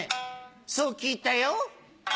そう聞いたよ？」。